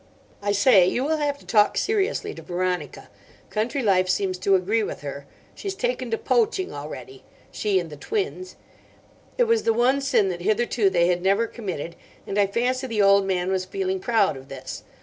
"I say, you will have to talk seriously to Veronica. Country life seems to agree with her. She's taken to poaching already—she and the twins. It was the one sin that hitherto they had never committed, and I fancy the old man was feeling proud of this.